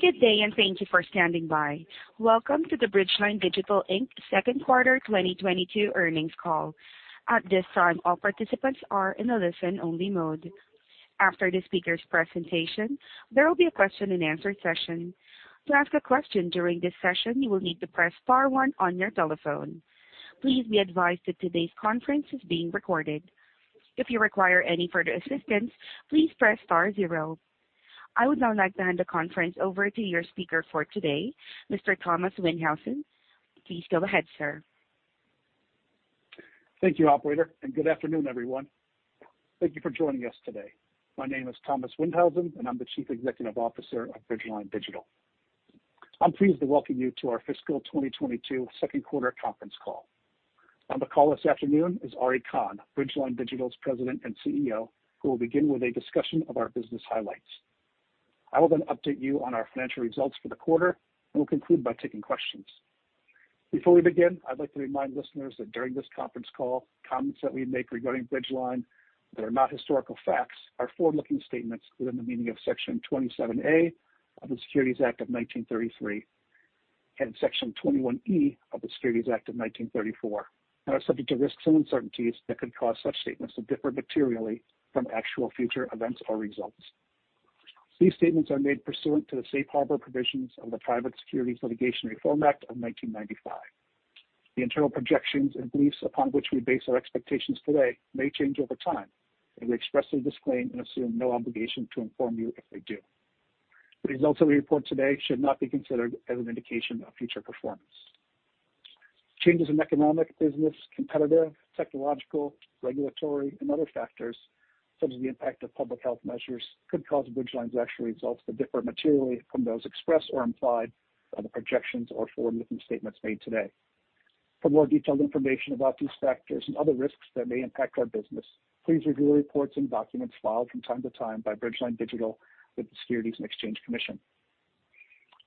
Good day, and thank you for standing by. Welcome to the Bridgeline Digital, Inc.'s second quarter 2022 earnings call. At this time, all participants are in a listen-only mode. After the speaker's presentation, there will be a question-and-answer session. To ask a question during this session, you will need to press star one on your telephone. Please be advised that today's conference is being recorded. If you require any further assistance, please press star zero. I would now like to hand the conference over to your speaker for today, Mr. Thomas Windhausen. Please go ahead, sir. Thank you, operator, and good afternoon, everyone. Thank you for joining us today. My name is Thomas Windhausen, and I'm the Chief Executive Officer of Bridgeline Digital. I'm pleased to welcome you to our fiscal 2022 second quarter conference call. On the call this afternoon is Ari Kahn, Bridgeline Digital's President and CEO, who will begin with a discussion of our business highlights. I will then update you on our financial results for the quarter and will conclude by taking questions. Before we begin, I'd like to remind listeners that during this conference call, comments that we make regarding Bridgeline that are not historical facts are forward-looking statements within the meaning of Section 27A of the Securities Act of 1933 and Section 21E of the Securities Exchange Act of 1934, and are subject to risks and uncertainties that could cause such statements to differ materially from actual future events or results. These statements are made pursuant to the safe harbor provisions of the Private Securities Litigation Reform Act of 1995. The internal projections and beliefs upon which we base our expectations today may change over time, and we expressly disclaim and assume no obligation to inform you if they do. The results that we report today should not be considered as an indication of future performance. Changes in economic, business, competitive, technological, regulatory, and other factors, such as the impact of public health measures, could cause Bridgeline's actual results to differ materially from those expressed or implied by the projections or forward-looking statements made today. For more detailed information about these factors and other risks that may impact our business, please review the reports and documents filed from time to time by Bridgeline Digital with the Securities and Exchange Commission.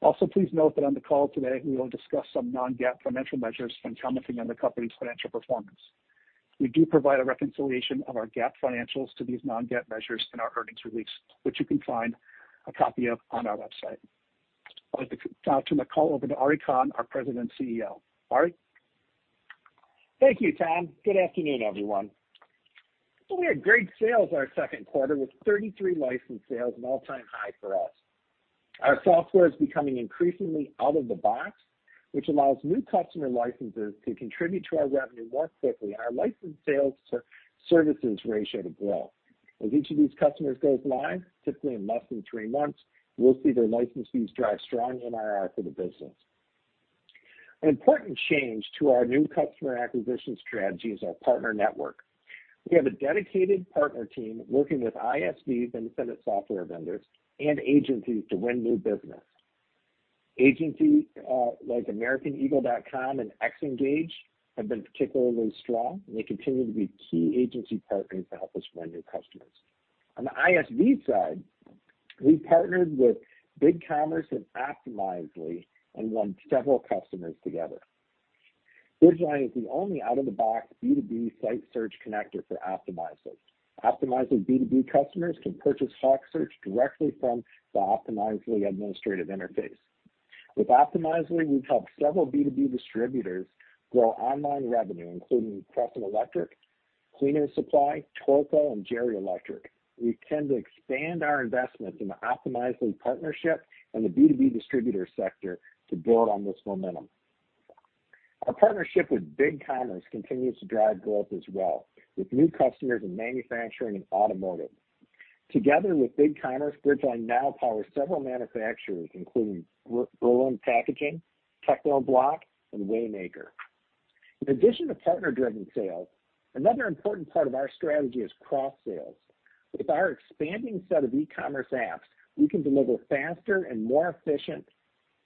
Also, please note that on the call today, we will discuss some non-GAAP financial measures when commenting on the company's financial performance. We do provide a reconciliation of our GAAP financials to these non-GAAP measures in our earnings release, which you can find a copy of on our website. I'd like to turn the call over to Ari Kahn, our President and CEO. Ari. Thank you, Thom. Good afternoon, everyone. We had great sales our second quarter with 33 licensed sales, an all-time high for us. Our software is becoming increasingly out-of-the-box, which allows new customer licenses to contribute to our revenue more quickly and our licensed sales to services ratio to grow. As each of these customers goes live, typically in less than three months, we'll see their license fees drive strong MRR for the business. An important change to our new customer acquisition strategy is our partner network. We have a dedicated partner team working with ISVs and set of software vendors and agencies to win new business. Agencies like Americaneagle.com and Xngage have been particularly strong, and they continue to be key agency partners to help us win new customers. On the ISV side, we've partnered with BigCommerce and Optimizely and won several customers together. Bridgeline is the only out-of-the-box B2B site search connector for Optimizely. Optimizely B2B customers can purchase HawkSearch directly from the Optimizely administrative interface. With Optimizely, we've helped several B2B distributors grow online revenue, including Crescent Electric, Cleaner's Supply, Torrco, and Gerrie Electric. We intend to expand our investments in the Optimizely partnership and the B2B distributor sector to build on this momentum. Our partnership with BigCommerce continues to drive growth as well, with new customers in manufacturing and automotive. Together with BigCommerce, Bridgeline now powers several manufacturers, including Berlin Packaging, Techo-Bloc, and Waymaker. In addition to partner-driven sales, another important part of our strategy is cross-sales. With our expanding set of e-commerce apps, we can deliver faster and more efficient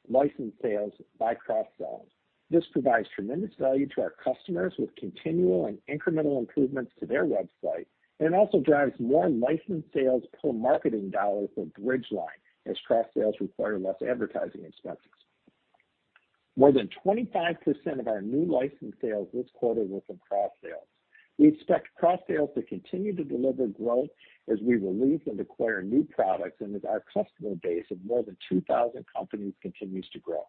license sales by cross-sales. This provides tremendous value to our customers with continual and incremental improvements to their website, and it also drives more licensed sales per marketing dollar for Bridgeline as cross-sales require less advertising expenses. More than 25% of our new license sales this quarter were from cross-sales. We expect cross-sales to continue to deliver growth as we release and acquire new products and as our customer base of more than 2,000 companies continues to grow.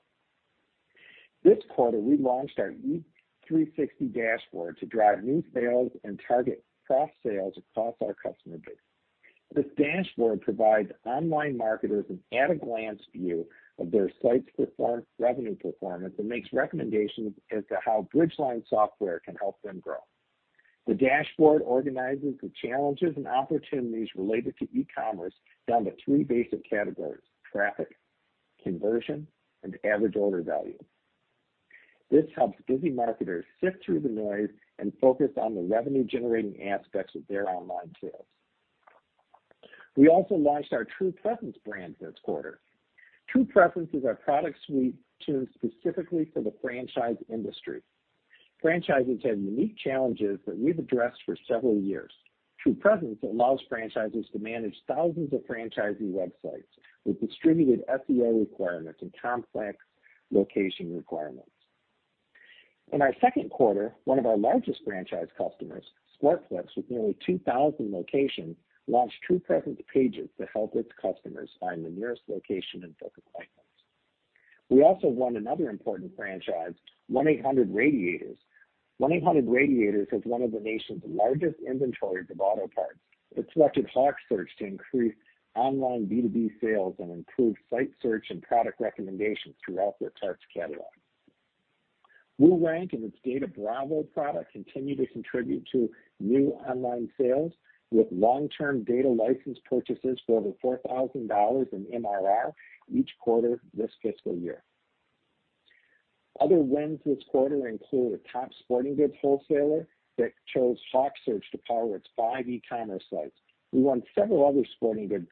This quarter, we launched our E360 Dashboard to drive new sales and target cross-sales across our customer base. This dashboard provides online marketers an at-a-glance view of their site's revenue performance and makes recommendations as to how Bridgeline software can help them grow. The dashboard organizes the challenges and opportunities related to e-commerce down to three basic categories, traffic, conversion, and average order value. This helps busy marketers sift through the noise and focus on the revenue-generating aspects of their online sales. We also launched our TruPresence brand this quarter. TruPresence is our product suite tuned specifically for the franchise industry. Franchises have unique challenges that we've addressed for several years. TruPresence allows franchises to manage thousands of franchisee websites with distributed SEO requirements and complex location requirements. In our second quarter, one of our largest franchise customers, Sport Clips, with nearly 2,000 locations, launched TruPresence location pages to help its customers find the nearest location and book appointments. We also won another important franchise, 1-800-Radiator & A/C. 1-800-Radiator & A/C is one of the nation's largest inventories of auto parts. It selected HawkSearch to increase online B2B sales and improve site search and product recommendations throughout their parts catalog. WooRank and its DataBravo product continue to contribute to new online sales with long-term data license purchases for over $4,000 in MRR each quarter this fiscal year. Other wins this quarter include a top sporting goods wholesaler that chose HawkSearch to power its five e-commerce sites. We won several other sporting goods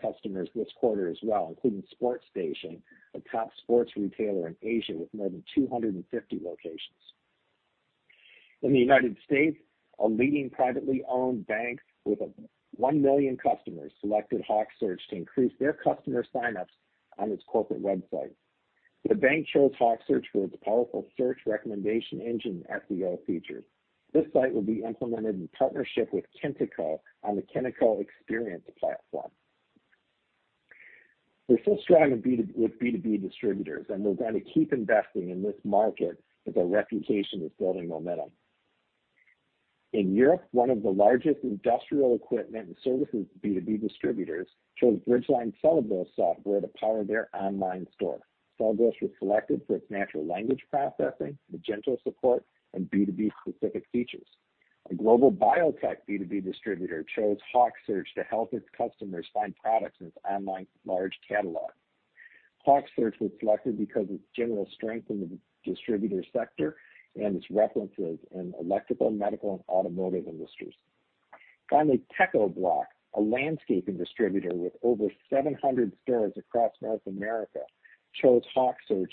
customers this quarter as well, including Sports Station, a top sports retailer in Asia with more than 250 locations. In the United States, a leading privately owned bank with 1 million customers selected HawkSearch to increase their customer sign-ups on its corporate website. The bank chose HawkSearch for its powerful search recommendation engine and SEO features. This site will be implemented in partnership with Kentico on the Kentico Xperience platform. We're still strong in B2B distributors, and we're going to keep investing in this market as our reputation is building momentum. In Europe, one of the largest industrial equipment and services B2B distributors chose Bridgeline Celebros software to power their online store. Celebros was selected for its natural language processing, Magento support, and B2B-specific features. A global biotech B2B distributor chose HawkSearch to help its customers find products in its online large catalog. HawkSearch was selected because of its general strength in the distributor sector and its references in electrical, medical, and automotive industries. Finally, Techo-Bloc, a landscaping distributor with over 700 stores across North America, chose HawkSearch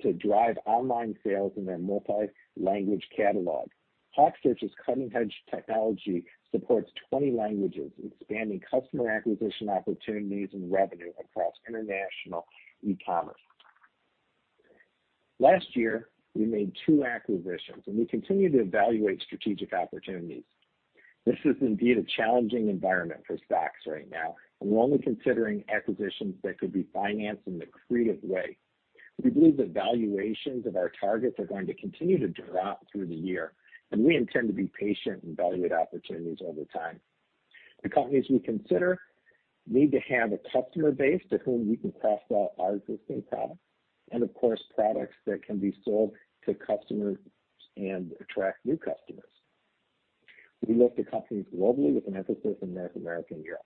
to drive online sales in their multi-language catalog. HawkSearch's cutting-edge technology supports 20 languages, expanding customer acquisition opportunities and revenue across international e-commerce. Last year, we made 2 acquisitions, and we continue to evaluate strategic opportunities. This is indeed a challenging environment for stocks right now, and we're only considering acquisitions that could be financed in a creative way. We believe the valuations of our targets are going to continue to drop through the year, and we intend to be patient and evaluate opportunities over time. The companies we consider need to have a customer base to whom we can cross-sell our existing products, and of course, products that can be sold to customers and attract new customers. We look to companies globally with an emphasis on North America and Europe.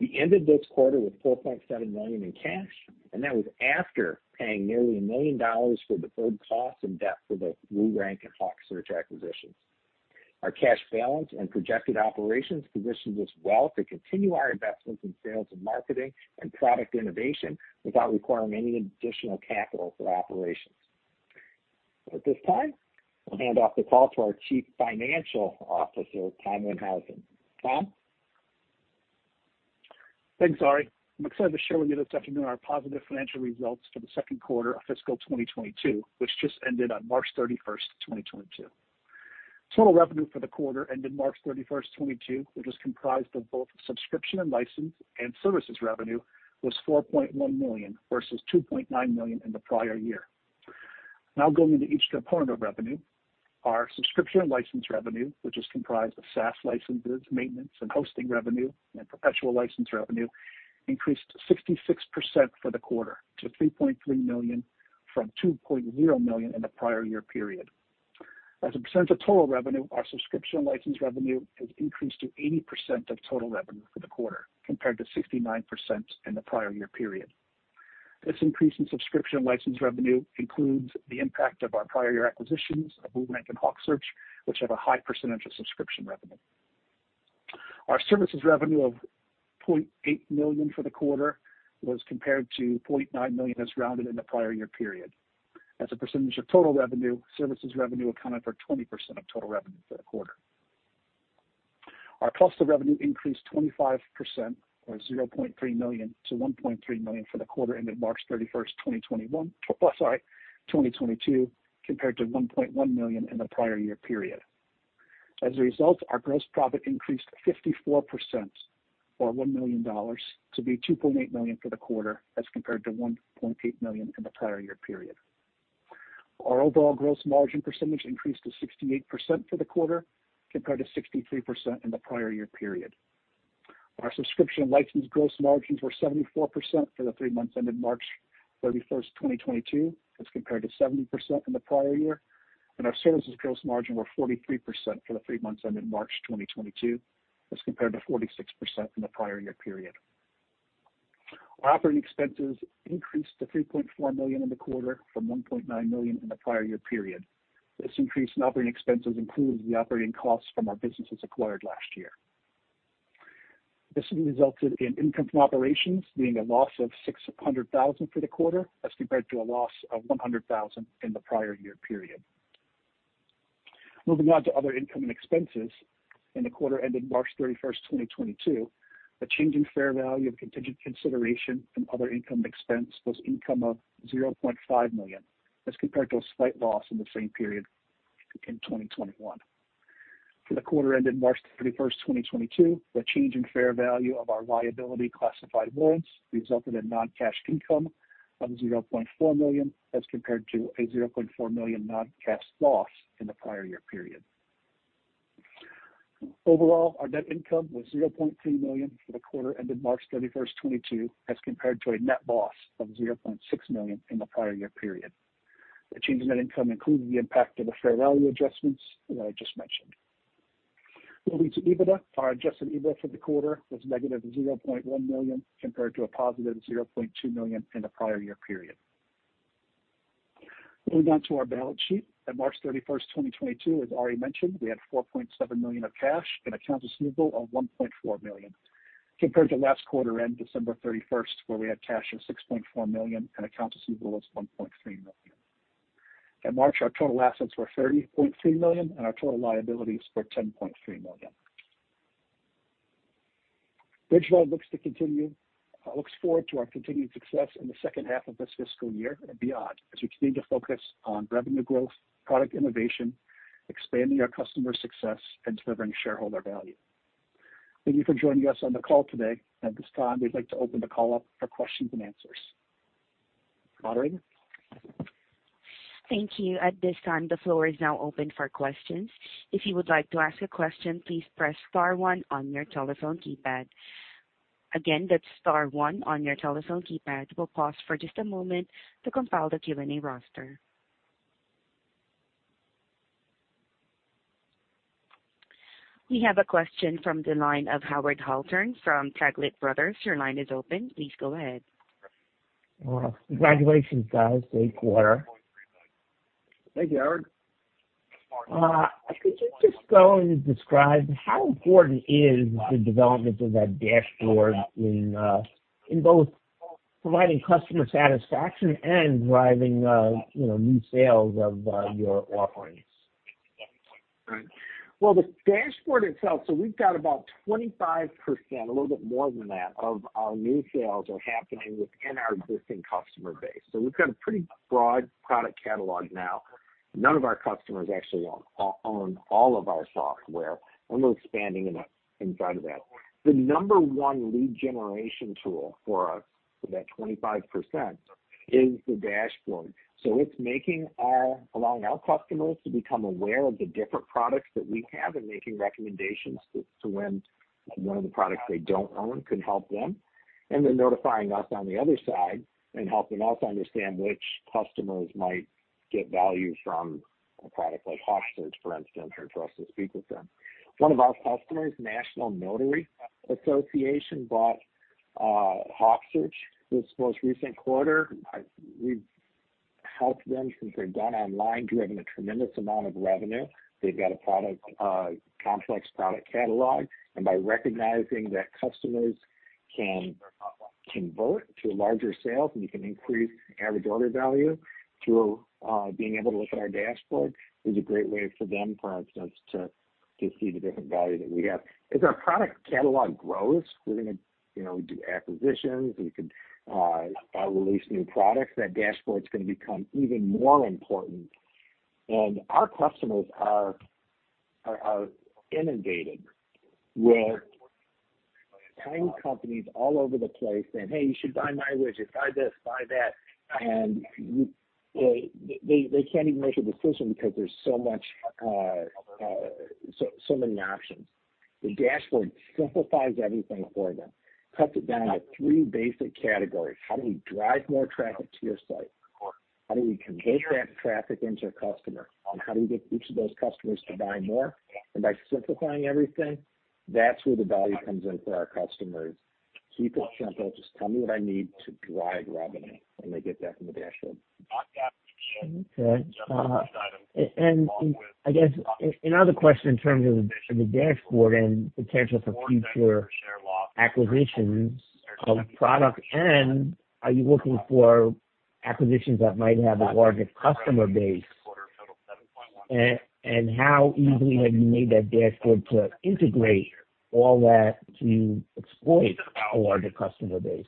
We ended this quarter with $4.7 million in cash, and that was after paying nearly $1 million for deferred costs and debt for the WooRank and HawkSearch acquisitions. Our cash balance and projected operations position us well to continue our investments in sales and marketing and product innovation without requiring any additional capital for operations. At this time, I'll hand off the call to our Chief Financial Officer, Thom Windhausen. Thom? Thanks, Ari. I'm excited to share with you this afternoon our positive financial results for the second quarter of fiscal 2022, which just ended on March 31, 2022. Total revenue for the quarter ended March 31, 2022, which was comprised of both subscription and license and services revenue, was $4.1 million versus $2.9 million in the prior year. Now going into each component of revenue. Our subscription and license revenue, which is comprised of SaaS licenses, maintenance, and hosting revenue, and perpetual license revenue, increased 66% for the quarter to $3.3 million from $2.0 million in the prior year period. As a percent of total revenue, our subscription and license revenue has increased to 80% of total revenue for the quarter, compared to 69% in the prior year period. This increase in subscription and license revenue includes the impact of our prior year acquisitions of WooRank and HawkSearch, which have a high percentage of subscription revenue. Our services revenue of $0.8 million for the quarter was compared to $0.9 million as reported in the prior year period. As a percentage of total revenue, services revenue accounted for 20% of total revenue for the quarter. Our cost of revenue increased 25% or $0.3 million to $1.3 million for the quarter ended March 31, 2022, compared to $1.1 million in the prior year period. As a result, our gross profit increased 54% or $1 million to $2.8 million for the quarter as compared to $1.8 million in the prior year period. Our overall gross margin percentage increased to 68% for the quarter, compared to 63% in the prior year period. Our subscription and license gross margins were 74% for the three months ended March 31, 2022, as compared to 70% in the prior year. Our services gross margin were 43% for the three months ended March 2022, as compared to 46% in the prior year period. Our operating expenses increased to $3.4 million in the quarter from $1.9 million in the prior year period. This increase in operating expenses includes the operating costs from our businesses acquired last year. This has resulted in income from operations being a loss of $600,000 for the quarter as compared to a loss of $100,000 in the prior year period. Moving on to other income and expenses in the quarter ended March 31, 2022. A change in fair value of contingent consideration from other income expense was income of $0.5 million as compared to a slight loss in the same period in 2021. For the quarter ended March 31, 2022, the change in fair value of our liability classified warrants resulted in non-cash income of $0.4 million as compared to a $0.4 million non-cash loss in the prior year period. Overall, our net income was $0.2 million for the quarter ended March 31, 2022, as compared to a net loss of $0.6 million in the prior year period. The change in net income included the impact of the fair value adjustments that I just mentioned. Moving to EBITDA, our adjusted EBITDA for the quarter was negative $0.1 million compared to $0.2 million in the prior year period. Moving on to our balance sheet at March 31, 2022. As Ari mentioned, we had $4.7 million of cash and accounts receivable of $1.4 million compared to last quarter end December 31, where we had cash of $6.4 million and accounts receivable was $1.3 million. At March, our total assets were $30.3 million and our total liabilities were $10.3 million. Bridgeline looks forward to our continued success in the second half of this fiscal year and beyond as we continue to focus on revenue growth, product innovation, expanding our customer success, and delivering shareholder value. Thank you for joining us on the call today. At this time, we'd like to open the call up for questions and answers. Operator? Thank you. At this time, the floor is now open for questions. If you would like to ask a question, please press star one on your telephone keypad. Again, that's star one on your telephone keypad. We'll pause for just a moment to compile the Q&A roster. We have a question from the line of Howard Halpern from Taglich Brothers. Your line is open. Please go ahead. Well, congratulations guys. Great quarter. Thank you, Howard. Could you just go and describe how important is the development of that dashboard in both providing customer satisfaction and driving new sales of your offerings? Right. Well, the dashboard itself. We've got about 25%, a little bit more than that of our new sales are happening within our existing customer base. We've got a pretty broad product catalog now. None of our customers actually own all of our software, and we're expanding inside of that. The number one lead generation tool for us for that 25% is the dashboard. It's allowing our customers to become aware of the different products that we have and making recommendations to when one of the products they don't own can help them. They're notifying us on the other side and helping us understand which customers might get value from a product like HawkSearch, for instance, for us to speak with them. One of our customers, National Notary Association, bought HawkSearch this most recent quarter. We've helped them since they went online, driven a tremendous amount of revenue. They've got a complex product catalog. By recognizing that customers can convert to larger sales and you can increase average order value through being able to look at our dashboard is a great way for them, for instance, to see the different value that we have. As our product catalog grows, we're gonna do acquisitions. We could release new products. That dashboard is gonna become even more important. Our customers are inundated with tiny companies all over the place saying, "Hey, you should buy my widget, buy this, buy that." They can't even make a decision because there's so much, so many options. The dashboard simplifies everything for them. Cuts it down to three basic categories. How do we drive more traffic to your site? How do we convert that traffic into a customer? How do we get each of those customers to buy more? By simplifying everything, that's where the value comes in for our customers. Keep it simple. Just tell me what I need to drive revenue, and they get that from the dashboard. Okay. I guess another question in terms of the dashboard and potential for future acquisitions of product. Are you looking for acquisitions that might have a larger customer base? How easily have you made that dashboard to integrate all that to exploit a larger customer base?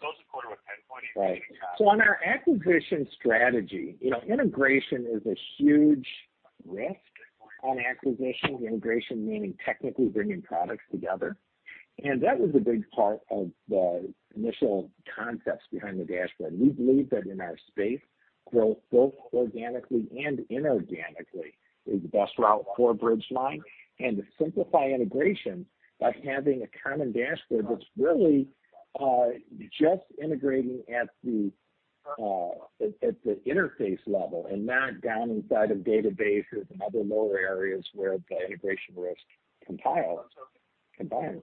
Right. On our acquisition strategy integration is a huge risk on acquisitions. Integration meaning technically bringing products together. That was a big part of the initial concept behind the dashboard. We believe that in our space, growth, both organically and inorganically, is the best route for Bridgeline. To simplify integration by having a common dashboard that's really just integrating at the interface level and not down inside of databases and other lower areas where the integration risks compile, combine.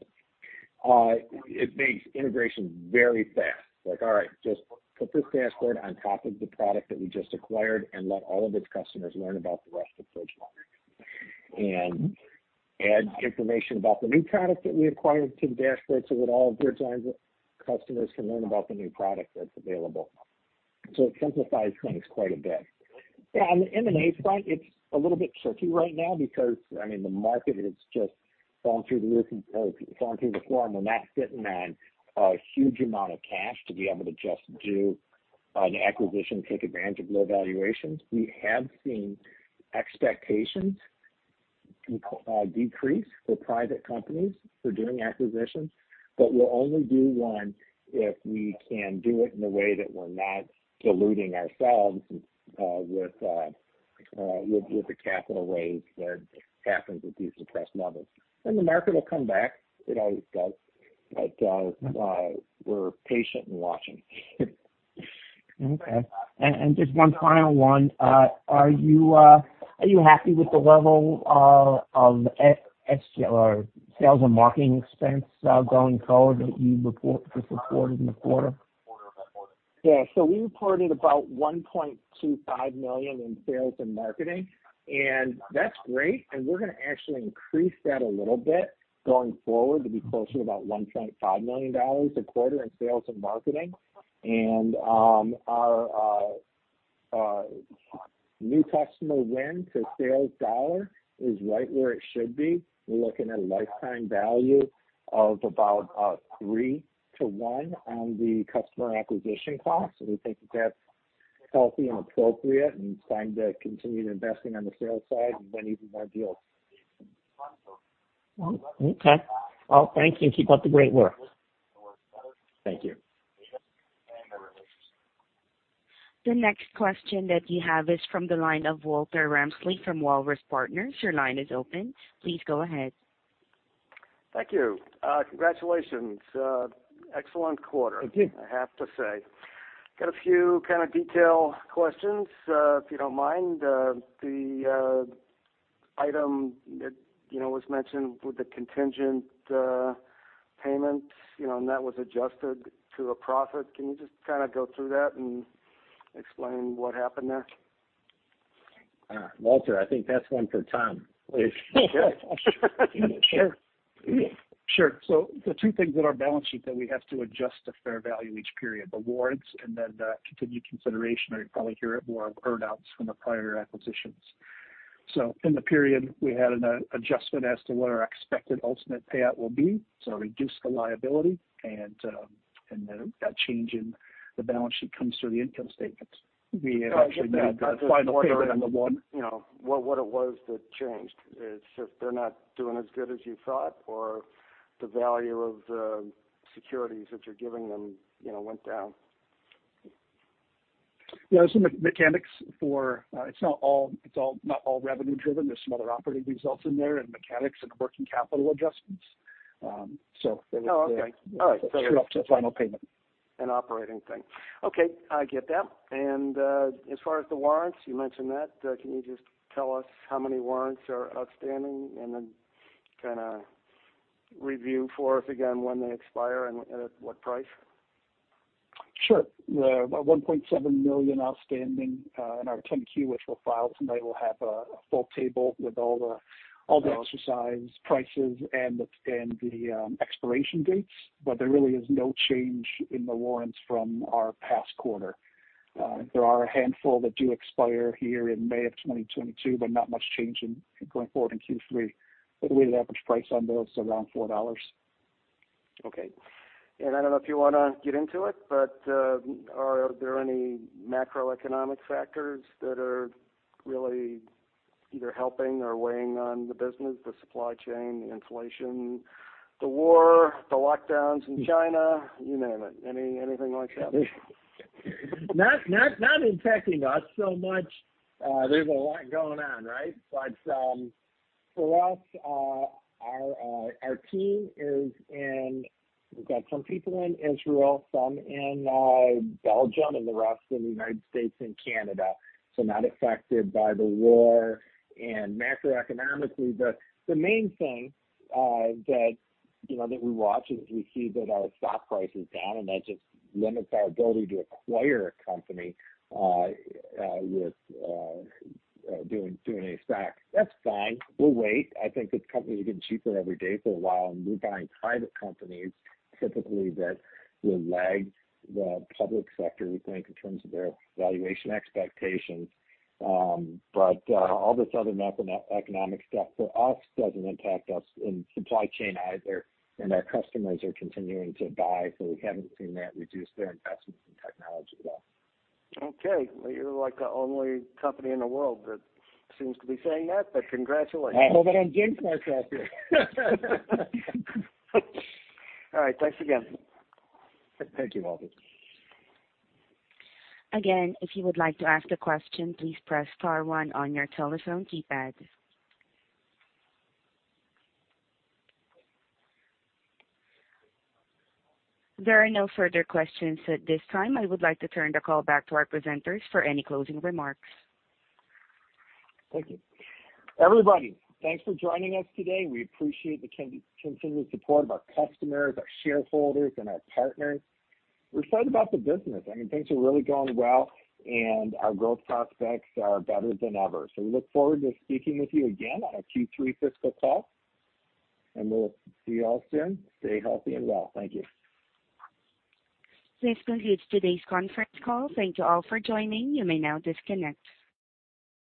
It makes integration very fast. Like, all right, just put this dashboard on top of the product that we just acquired and let all of its customers learn about the rest of Bridgeline. Add information about the new product that we acquired to the dashboard, so that all of Bridgeline's customers can learn about the new product that's available. It simplifies things quite a bit. On the M&A front, it's a little bit tricky right now because, I mean, the market has just fallen through the floor, and we're not sitting on a huge amount of cash to be able to just do an acquisition, take advantage of low valuations. We have seen expectations decrease for private companies for doing acquisitions, but we'll only do one if we can do it in a way that we're not diluting ourselves with the capital raise that happens at these depressed levels. The market will come back, it always does, but we're patient and watching. Just one final one. Are you happy with the level of SG&A or sales and marketing expense going forward that you report this quarter in the quarter? Yeah. We reported about $1.25 million in sales and marketing, and that's great, and we're gonna actually increase that a little bit going forward to be closer to about $1.5 million a quarter in sales and marketing. Our new customer win to sales dollar is right where it should be. We're looking at a lifetime value of about 3-to-1 on the customer acquisition costs. We think that that's healthy and appropriate, and it's time to continue to investing on the sales side and win even more deals. Well, okay. Well, thank you, and keep up the great work. Thank you. The next question that we have is from the line of Walter Ramsley from Walrus Partners. Your line is open. Please go ahead. Thank you. Congratulations. Excellent quarter. Thank you. I have to say. Got a few kinda detail questions, if you don't mind. The item that was mentioned with the contingent payments and that was adjusted to a profit. Can you just kinda go through that and explain what happened there? Walter, I think that's one for Thom. Okay. Sure. Sure. The two things on our balance sheet that we have to adjust to fair value each period, the warrants and then the contingent consideration, or you'll probably hear it as earn-outs from the prior acquisitions. In the period, we had an adjustment as to what our expected ultimate payout will be, so reduced the liability. Then that change in the balance sheet comes through the income statement. We actually made the final payment on the one what it was that changed. It's just they're not doing as good as you thought or the value of the securities that you're giving them, you know, went down. Yeah. Some mechanics. It's not all revenue driven. There's some other operating results in there and mechanics and working capital adjustments. Oh, okay. All right. Sure. Final payment. An operating thing. Okay. I get that. As far as the warrants, you mentioned that. Can you just tell us how many warrants are outstanding and then kinda review for us again when they expire and at what price? Sure. About 1.7 million outstanding in our 10-Q, which we'll file tonight, we'll have a full table with all the exercise prices and the expiration dates. There really is no change in the warrants from our past quarter. There are a handful that do expire here in May 2022, not much change going forward in Q3. The weighted average price on those is around $4. Okay. I don't know if you wanna get into it, but, are there any macroeconomic factors that are really either helping or weighing on the business, the supply chain, the inflation, the war, the lockdowns in China, you name it. Anything like that? Not impacting us so much. There's a lot going on, right? For us, we've got some people in Israel, some in Belgium, and the rest in the United States and Canada, so not affected by the war. Macroeconomically, the main thing that we watch is we see that our stock price is down, and that just limits our ability to acquire a company with using stock. That's fine. We'll wait. I think the company's getting cheaper every day for a while, and we're buying private companies typically that will lag the public sector, we think, in terms of their valuation expectations. All this other macroeconomic stuff for us doesn't impact us in supply chain either, and our customers are continuing to buy, so we haven't seen that reduce their investments in technology at all. Okay. Well, you're like the only company in the world that seems to be saying that, but congratulations. I hope I don't jinx myself here. All right. Thanks again. Thank you, Walter. Again, if you would like to ask a question, please press star one on your telephone keypad. There are no further questions at this time. I would like to turn the call back to our presenters for any closing remarks. Thank you. Everybody, thanks for joining us today. We appreciate the continued support of our customers, our shareholders, and our partners. We're excited about the business. I mean, things are really going well, and our growth prospects are better than ever. We look forward to speaking with you again on our Q3 fiscal call, and we'll see you all soon. Stay healthy and well. Thank you. This concludes today's conference call. Thank you all for joining. You may now disconnect.